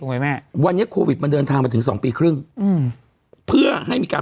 ไหมแม่วันนี้โควิดมันเดินทางมาถึงสองปีครึ่งอืมเพื่อให้มีการ